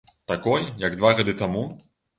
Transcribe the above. Такой, як два гады таму?